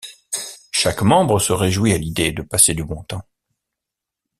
Chaque membre se réjouit à l'idée de passer du bon temps.